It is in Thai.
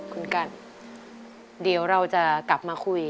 คุณกันเดี๋ยวเราจะกลับมาคุย